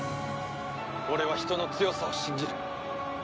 俺は人の強さを信じる。